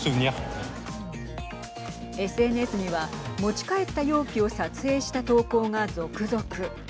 ＳＮＳには持ち帰った容器を撮影した投稿が続々。